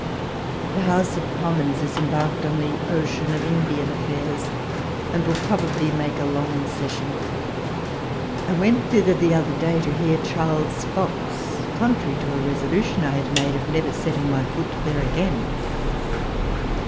The House of Commons is embarked on the ocean of Indian affairs, and will inobably make a long session. I went thither the other day to hear Charles Fox, contrary to a lesolution I had made of never setting my foot there again.